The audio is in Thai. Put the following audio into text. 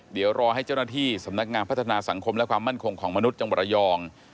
เดี๋ยวรอให้เจ้าหน้าที่สำนักงานพัฒนาสังคมและความมั่นคงของมนุษย์จังหวัดระยอง